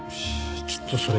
ちょっとそれいい？